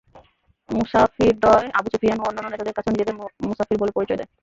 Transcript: মুসাফিরদ্বয় Abu Sufyan ও অন্যান্য নেতাদের কাছেও নিজেদের মুসাফির বলে পরিচয় দেয়।